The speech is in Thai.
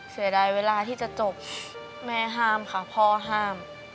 เสียดายเวลาที่จะจบแม่ห้ามค่ะพ่อห้าม